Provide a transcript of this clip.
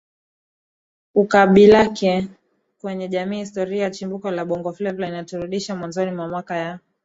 ukubalike kwenye jamii Historia ya chimbuko la Bongo Fleva inaturudisha mwanzoni mwa miaka ya